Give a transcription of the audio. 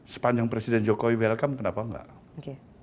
sepanjang presiden jokowi welcome kenapa enggak